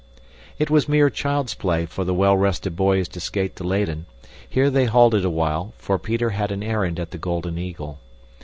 It was mere child's play for the well rested boys to skate to Leyden. Here they halted awhile, for Peter had an errand at the Golden Eagle.